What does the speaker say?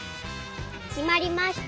きまりました。